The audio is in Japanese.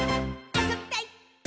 あそびたい！